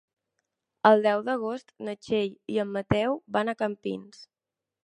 El deu d'agost na Txell i en Mateu van a Campins.